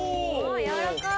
やわらかい！